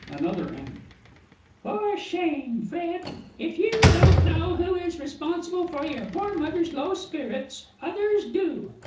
ANOTHER AUNT. For shame, Fred! If you don't know who is responsible for your poor mother's low spirits, others do!